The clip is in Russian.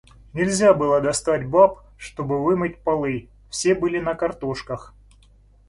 Нельзя было достать баб, чтобы вымыть полы, — все были на картошках.